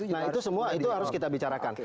nah itu juga harus kita bicarakan